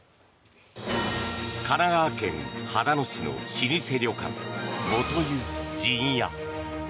神奈川県秦野市の老舗旅館元湯陣屋。